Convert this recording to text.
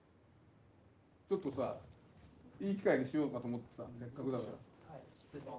ちょっとさいい機会にしようかと思ってせっかくだから。